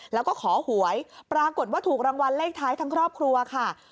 แล้วก็ขอหวยปรากฏว่าถูกรางวัลเลขท้ายทั้งครอบครัวค่ะ